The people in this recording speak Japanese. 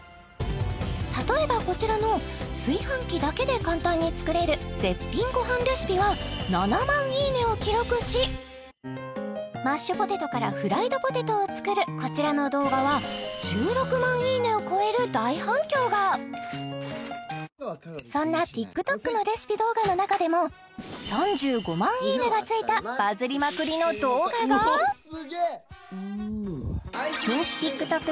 例えばこちらの炊飯器だけで簡単に作れる絶品ごはんレシピは７万いいねを記録しマッシュポテトからフライドポテトを作るこちらの動画は１６万いいねを超える大反響がそんなＴｉｋＴｏｋのレシピ動画の中でも３５万いいねがついたバズりまくりの動画が人気ＴｉｋＴｏｋ